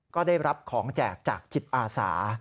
ก็ได้รับของแจกจากจิตอาสา